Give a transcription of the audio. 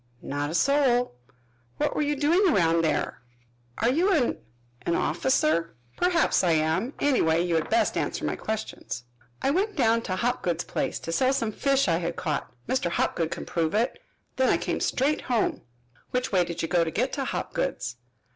"Not a soul." "What were you doing around there?" "Are you an an officer?" "Perhaps I am. Anyway, you had best answer my questions." "I went down to Hopgood's place, to sell some fish I had caught Mr. Hopgood can prove it. Then I came straight home." "Which way did you go to get to Hopgood's?"